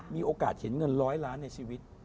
มีโอกาสเห็นเงินร้อยล้านในชีวิต